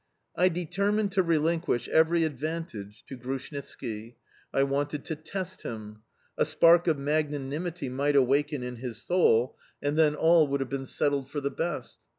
I determined to relinquish every advantage to Grushnitski; I wanted to test him. A spark of magnanimity might awake in his soul and then all would have been settled for the best.